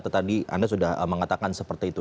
atau tadi anda sudah mengatakan seperti itu